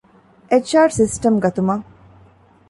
އެޗް.އާރް ސިސްޓަމް ގަތުމަށް